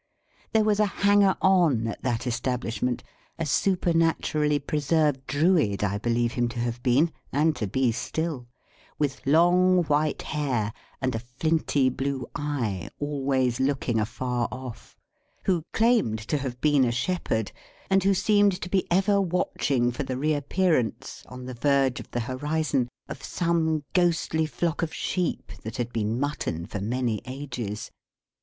There was a hanger on at that establishment (a supernaturally preserved Druid I believe him to have been, and to be still), with long white hair, and a flinty blue eye always looking afar off; who claimed to have been a shepherd, and who seemed to be ever watching for the reappearance, on the verge of the horizon, of some ghostly flock of sheep that had been mutton for many ages.